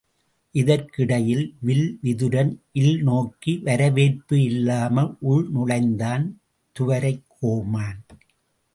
இதற்கு இடையில் வில் விதுரன் இல் நோக்கி வரவேற்பு இல்லாமல் உள் நுழைந்தான் துவரைக் கோமான்.